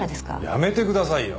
やめてくださいよ。